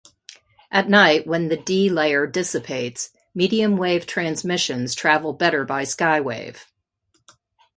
At night, when the D layer dissipates, mediumwave transmissions travel better by skywave.